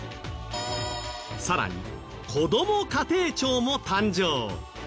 更にこども家庭庁も誕生。